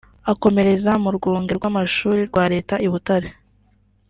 akomereza mu rwunge rw’amashuli rwa leta i Butare